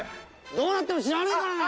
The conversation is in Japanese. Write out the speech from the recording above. どうなっても知らねえからな！